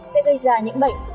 sẽ gây ra những bệnh